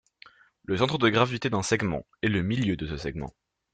Le centre de gravité d'un segment est le milieu de ce segment.